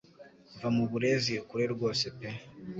va mu burezi ukure rwose pe